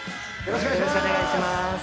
よろしくお願いします。